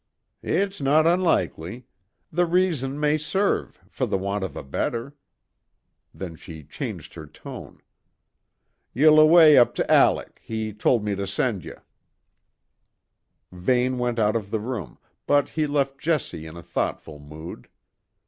"It's no unlikely. The reason may serve for the want of a better." Then she changed her tone. "Ye'll away up to Alec; he told me to send ye." Vane went out of the room, but he left Jessie in a thoughtful mood.